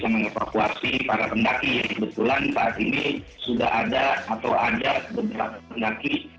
mengevakuasi para pendaki yang kebetulan saat ini sudah ada atau ada beberapa pendaki